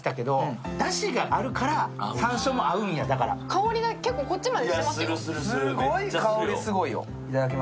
香りが結構、こっちまでしますよ